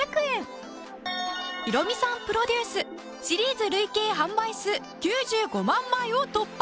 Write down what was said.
ヒロミさんプロデュースシリーズ累計販売数９５万枚を突破！